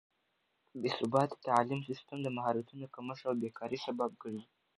بې ثباته تعليم سيستم د مهارتونو کمښت او بې کارۍ سبب ګرځي.